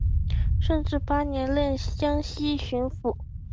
顺治八年任江西巡抚。